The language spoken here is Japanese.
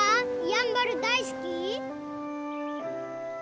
やんばる大好き？